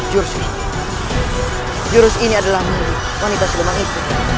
jurus ini jurus ini adalah menurut wanita sulemanes